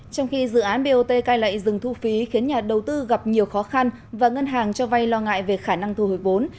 trong khi dự án bot cai lệ dừng thu phí khiến nhà đầu tư gặp nhiều khó khăn và ngân hàng cho vay lo ngại về khả năng thu hồi vốn